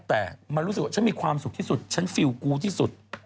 แต่มันรู้สึกว่าฉันมีความสุขที่สุดฉันฟิลกูที่สุด